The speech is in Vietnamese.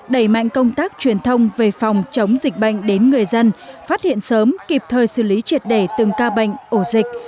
tình tác truyền thông về phòng chống dịch bệnh đến người dân phát hiện sớm kịp thời xử lý triệt đẩy từng ca bệnh ổ dịch